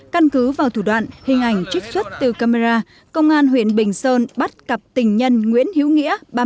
căn cứ vào thủ đoạn hình ảnh trích xuất từ camera công an huyện bình sơn bắt cặp tình nhân nguyễn hiếu nghĩa